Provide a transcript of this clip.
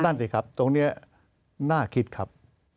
นั่นสิครับตรงนี้น่าคิดครับ